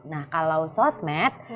nah kalau sosmed